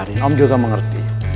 iya om juga mengerti